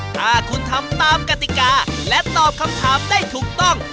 ถ้าคุณทำตามกติกาและตอบคำถามได้ถูกต้อง